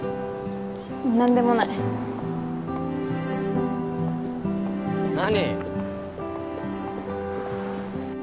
何でもない何？